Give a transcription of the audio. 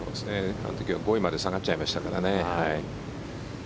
あの時は５位まで下がっちゃいましたからね。